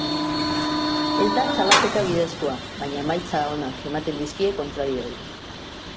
Ez da salaketa bidezkoa, baina emaitza onak eman dizkie kontrarioei.